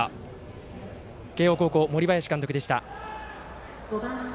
慶応高校の森林監督でした。